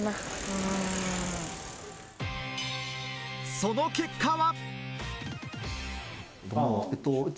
その結果は。